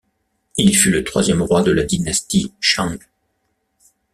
Il fut le troisième roi de la dynastie Shang.